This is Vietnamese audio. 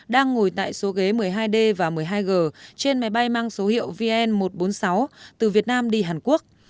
đang ngồi tại số ghế một mươi hai d và một mươi hai g trên máy bay mang số hiệu vn một trăm bốn mươi sáu từ việt nam đi hàn quốc